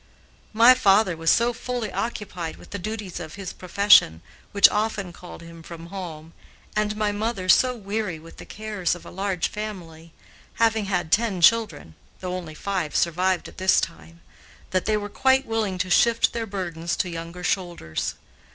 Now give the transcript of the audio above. My father was so fully occupied with the duties of his profession, which often called him from home, and my mother so weary with the cares of a large family, having had ten children, though only five survived at this time, that they were quite willing to shift their burdens to younger shoulders.